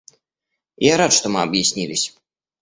Я рад, что мы объяснились.